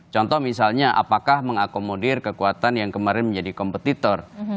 contoh misalnya apakah mengakomodir kekuatan yang kemarin menjadi kompetitor